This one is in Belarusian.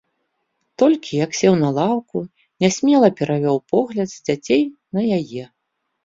Толькі, як сеў на лаўку, нясмела перавёў погляд з дзяцей на яе.